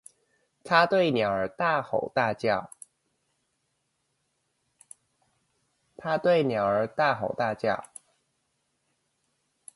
他對鳥兒大吼大叫！